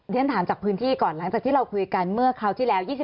ฉันถามจากพื้นที่ก่อนหลังจากที่เราคุยกันเมื่อคราวที่แล้ว